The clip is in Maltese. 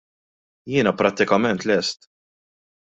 Jiena prattikament lest.